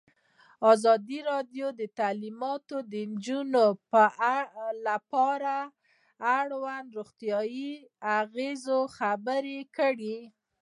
ازادي راډیو د تعلیمات د نجونو لپاره په اړه د روغتیایي اغېزو خبره کړې.